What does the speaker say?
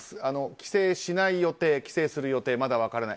帰省しない予定帰省する予定、まだ分からない。